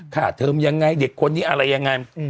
เทอมยังไงเด็กคนนี้อะไรยังไง